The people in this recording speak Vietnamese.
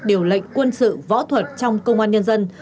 điều lệnh quân sự võ thuật trong công an nhân dân